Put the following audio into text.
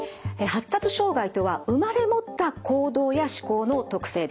発達障害とは生まれ持った行動や思考の特性です。